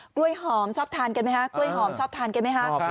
กล้วยหอมชอบทานกันมั้ยฮะกล้วยหอมชอบทานกันมั้ยฮะ